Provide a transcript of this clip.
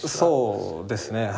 そうですね